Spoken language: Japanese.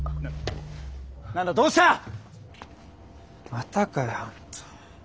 またかよ本当。